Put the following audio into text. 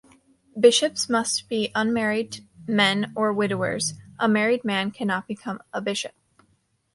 Bishops must be unmarried men or widowers; a married man cannot become a bishop.